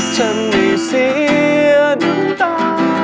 ทำให้เสียหนุ่มตา